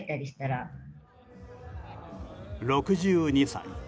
６２歳。